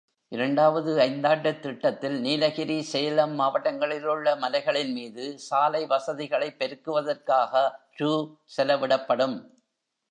இரண்டாவது ஐந்தாண்டுத் திட்டத்தில் நீலகிரி, சேலம் மாவட்டங்களிலுள்ள மலைகளின்மீது சாலை வசதிகளைப் பெருக்குவதற்காக ரூ. செலவிடப்படும்.